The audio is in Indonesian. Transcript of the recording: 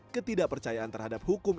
ketidakpercayaan terhadap hukum indonesia